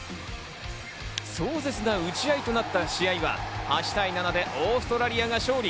壮絶な打ち合いとなった試合は、８対７でオーストラリアが勝利。